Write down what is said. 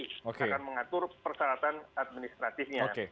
akan mengatur persyaratan administratifnya